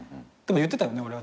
でも言ってたよね